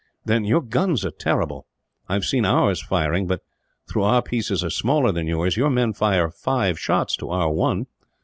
"Then, your guns are terrible. I have seen ours firing but, though our pieces are smaller than yours, your men fire five shots to our one.